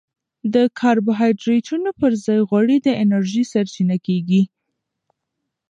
د کاربوهایډریټونو پر ځای غوړي د انرژي سرچینه کېږي.